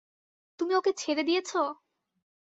তুমি ওকে ছেড়ে দিয়েছ?